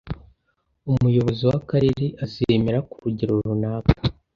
Umuyobozi w'akarere azemera ku rugero runaka